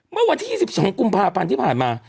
เมื่อวันที่๒๒กุมภาพันธ์ที่ผ่านมา